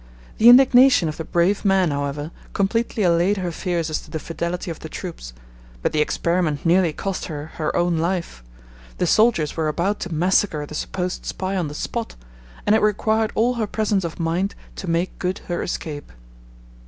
The indignation of the brave man, however, completely allayed her fears as to the fidelity of the troops, but the experiment nearly cost her her own life. The soldiers were about to massacre the supposed spy on the spot, and it required all her presence of mind to make good her escape.